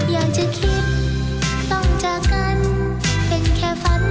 อยากจะคิดต้องจากกันเป็นแค่ฝัน